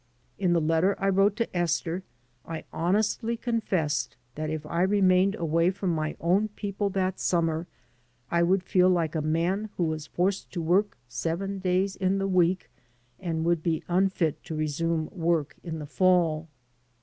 In the letter I wrote to Esther I honestly confessed that if I remained away from my own people that summer I would feel like a man who was forced to work seven days in the week and woidd be unfit to resume work in the fall.